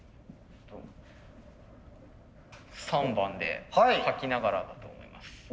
３番で書きながらだと思います。